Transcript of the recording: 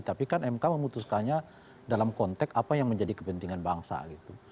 tapi kan mk memutuskannya dalam konteks apa yang menjadi kepentingan bangsa gitu